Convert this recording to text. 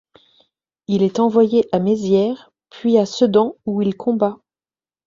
Il est envoyé à Mézières puis à Sedan où il combat.